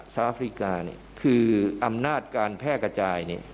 สาวอาฟริกาเนี่ยคืออำนาจการแพร่กระจายเนี่ย